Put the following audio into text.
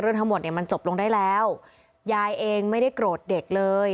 ทั้งหมดเนี่ยมันจบลงได้แล้วยายเองไม่ได้โกรธเด็กเลย